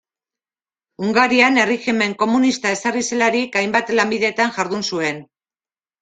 Hungarian erregimen komunista ezarri zelarik, hainbat lanbidetan jardun zuen.